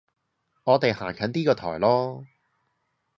我哋行近啲個台囉